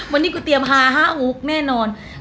วันนี้กูเตรียมฮา๕๖แน่นอน